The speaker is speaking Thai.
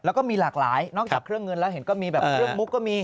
แล้วก็มีหลากหลายนอกจากเครื่องเงินแล้วเห็นก็มีแบบเครื่องมุกก็มี